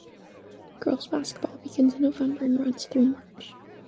Girls Basketball begins in November and runs through March.